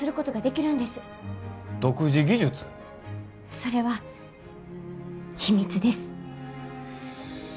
それは秘密です。